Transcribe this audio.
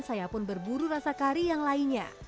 saya pun berburu rasa kari yang lainnya